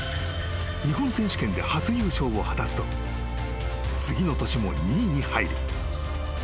日本選手権で初優勝を果たすと次の年も２位に入り］